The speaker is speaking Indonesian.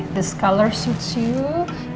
ini juga cantik sekali